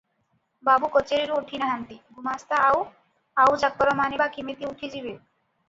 ବାବୁ କଚେରିରୁ ଉଠି ନାହାନ୍ତି, ଗୁମାସ୍ତା ଆଉ ଆଉ ଚାକରମାନେ ବା କିମିତି ଉଠିଯିବେ?